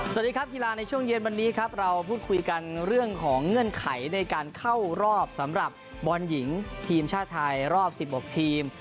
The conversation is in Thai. สวัสดีครับกีฬาในช่วงเย็นวันนี้ครับเราพูดคุยกันเรื่องของเงื่อนไขในการเข้ารอบสำหรับบอลหญิงทีมชาติไทยรอบ๑๖ทีม